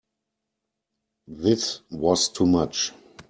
This was too much.